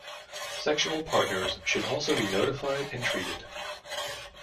Sexual partners should also be notified and treated.